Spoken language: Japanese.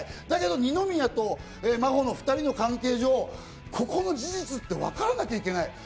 だけど二宮と真帆の２人の関係上、ここの事実ってわからなきゃいけない。